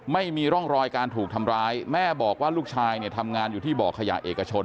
ไม่มีร่องรอยการถูกทำร้ายแม่บอกว่าลูกชายเนี่ยทำงานอยู่ที่บ่อขยะเอกชน